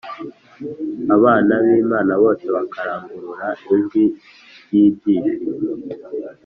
abana b’imana bose bakarangurura ijwi ry’ibyishimo